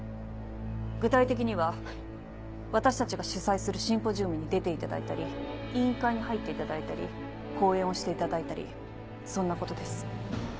具体的には私たちが主催するシンポジウムに出ていただいたり委員会に入っていただいたり講演をしていただいたりそんなことです。